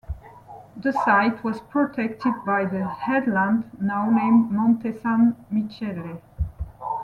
The site was protected by the headland now named Monte San Michele.